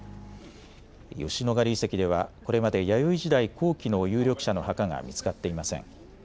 吉野ヶ里遺跡ではこれまで弥生時代後期の有力者の墓が見つかっていません。